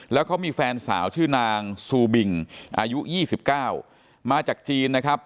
แล้วเขามีแฟนสาวชื่อนางซูบิงอายุ๒๙มาจากจีนนะครับ